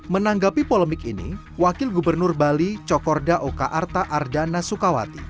menanggapi polemik ini wakil gubernur bali cokorda oka arta ardana sukawati